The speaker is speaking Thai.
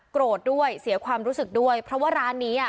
โกรธด้วยเสียความรู้สึกด้วยเพราะว่าร้านนี้อ่ะ